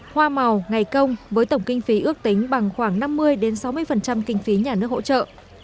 hoa màu ngày công với tổng kinh phí ước tính bằng khoảng năm mươi sáu mươi kinh phí nhà nước hỗ trợ